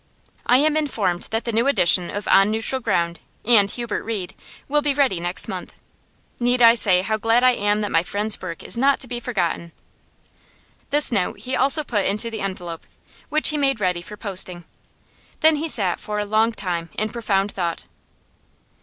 I am informed that the new edition of "On Neutral Ground" and "Hubert Reed" will be ready next month. Need I say how glad I am that my friend's work is not to be forgotten?' This note he also put into the envelope, which he made ready for posting. Then he sat for a long time in profound thought.